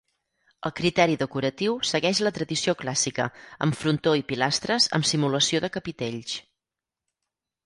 El criteri decoratiu segueix la tradició clàssica, amb frontó i pilastres amb simulació de capitells.